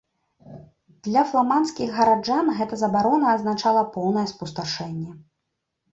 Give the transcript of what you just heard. Для фламандскіх гараджан гэта забарона азначала поўнае спусташэнне.